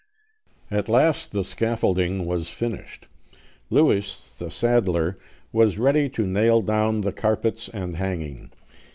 At last the scaffolding was finished. Lewis the saddler was ready to nail down the carpets and hanging.